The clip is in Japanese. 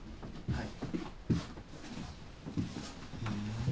はい。